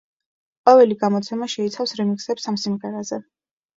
ყოველი გამოცემა შეიცავს რემიქსებს ამ სიმღერაზე.